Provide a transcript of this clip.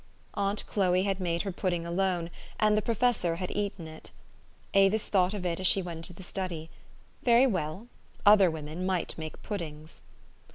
Aunt Chloe had made her pudding alone, and the professor had eaten it. Avis thought of it as she went into the study. Very well. Other women might make puddings.